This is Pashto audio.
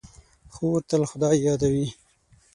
خور تل خدای یادوي.